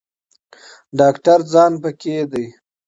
ډاکټر جان پکې دی.